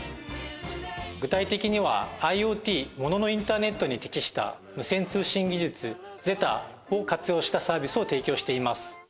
具体的にはＩｏＴもののインターネットに適した無線通信技術ＺＥＴＡを活用したサービスを提供しています。